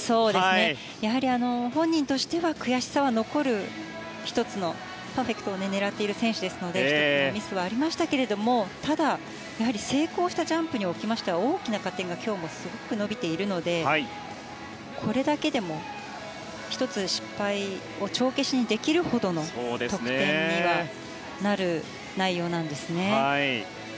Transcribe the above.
やはり本人としては悔しさは残るパーフェクトを狙っている選手ですので１つのミスはありましたけど成功したジャンプにおいては大きな加点が今日もすごく伸びているのでこれだけでも、１つの失敗を帳消しにできるほどの得点にはなる内容なんですね。